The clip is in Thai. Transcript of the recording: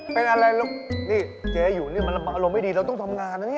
เป็นอะไรลูกนี่เจ๊อยู่นี่มันอารมณ์ไม่ดีเราต้องทำงานนะเนี่ย